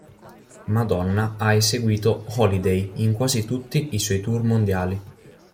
Madonna ha eseguito "Holiday" in quasi tutti i suoi tour mondiali.